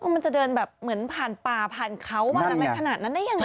มันจะเดินแบบเหมือนผ่านป่าผ่านเขาผ่านอะไรขนาดนั้นได้ยังไง